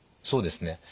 そうですね。